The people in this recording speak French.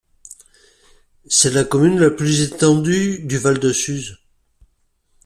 C'est la commune la plus étendue du val de Suse.